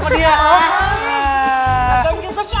bukan juga sih